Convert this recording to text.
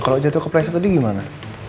kalo jatuh kebleset tadi gimana